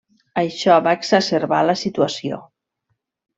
Això va exacerbar la situació.